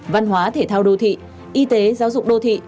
văn hóa thể thao đô thị y tế giáo dục đô thị